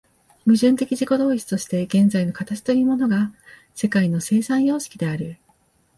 矛盾的自己同一として現在の形というものが世界の生産様式である。